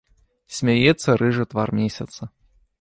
Смяецца рыжы твар месяца.